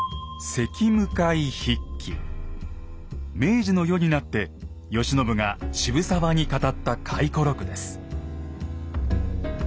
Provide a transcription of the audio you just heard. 明治の世になって慶喜が渋沢に語った回顧録です。